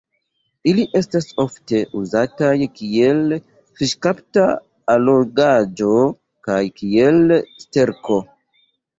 Ili estas ofte uzataj kiel fiŝkapta allogaĵo kaj kiel sterko.